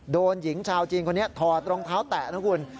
โดนหญิงชาวจีนคนนี้ถอดรองเท้าแตะนะคุณ